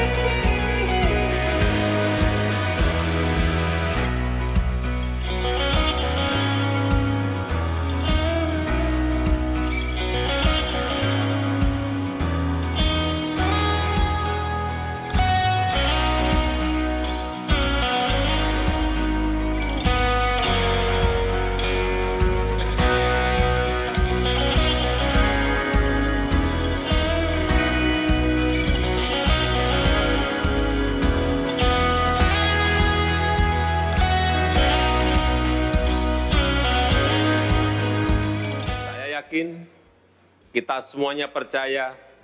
saya yakin kita semuanya percaya